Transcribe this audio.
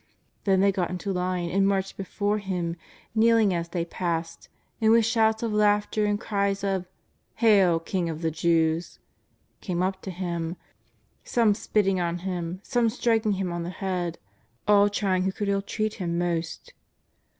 Then they got into line and marched before Him, kneeling as they passed, and with shouts of laughter and cries of '' Hail, King of the Jews !'' came up to Him, some spitting on Him, some striking Him on the head, all trying who could illtreat Him most.